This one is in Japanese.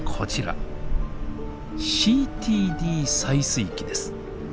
ＣＴＤ採水器です。